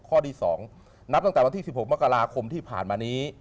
ข้อที่๒นับตั้งแต่วันที่๑๖มกราคมที่ผ่านมานี้